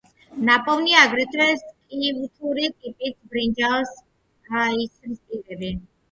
ნაპოვნია აგრეთვე სკვითური ტიპის ბრინჯაოს ისრისპირები.